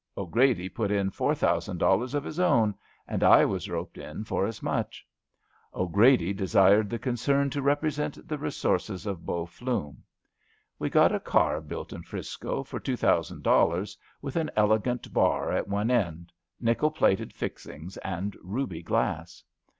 O 'Grady put in four thousand dollars of his own, and I was roped in for as much. 'Grady desired the concern to represent the resources of Bow Flume. We got a car built in 'Frisco for two THE BOW FLUME CABLE CAE 189^ thousand dollars, with an elegant bar at one end — nickel plated fixings and ruby glass.